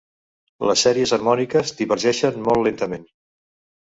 Les sèries harmòniques divergeixen molt lentament.